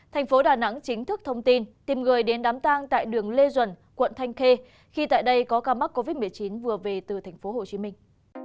thành phố đà nẵng chính thức thông tin tìm người đến đám tang tại đường lê duẩn quận thanh khê khi tại đây có ca mắc covid một mươi chín vừa về từ thành phố hồ chí minh